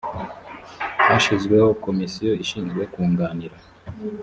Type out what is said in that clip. hashyizweho komisiyo ishinzwe kunganira